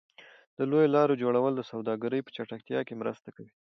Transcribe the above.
د لویو لارو جوړول د سوداګرۍ په چټکتیا کې مرسته کوي.